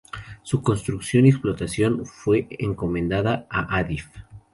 Su construcción y explotación fue encomendada a Adif.